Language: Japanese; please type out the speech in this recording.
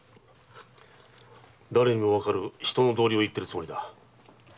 誰にも判る人の道理を言ってるつもりだ。